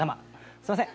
すいません